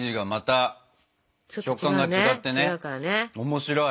面白い。